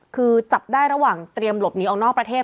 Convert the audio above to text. คือจับได้ระหว่างเตรียมหลบหนีออกนอกประเทศ